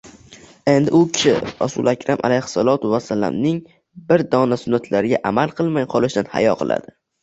Endi u kishi Rosulakram alayhissolatu vassalamning bir dona sunnatlariga amal qilmay qolishdan hayo qiladi